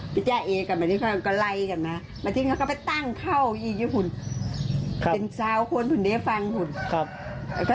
พี่จ้าเอกันเหมือนที่เขาก็ไล่กันนะ